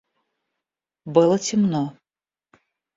Было темно.